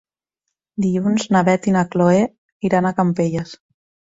Dilluns na Beth i na Chloé iran a Campelles.